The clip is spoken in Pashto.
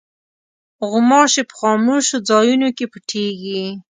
غوماشې په خاموشو ځایونو کې پټېږي.